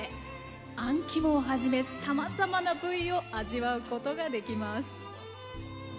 あん肝をはじめさまざまな部位を味わうことができます。